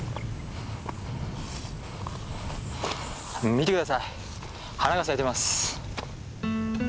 見て下さい花が咲いてます。